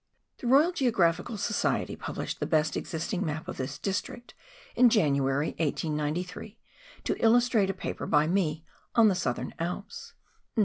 The Royal Geographical Society published the best existing map of this district* in January, 1893, to illustrate a paper by me on the Southern Alps.